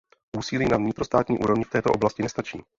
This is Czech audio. Úsilí na vnitrostátní úrovni v této oblasti nestačí.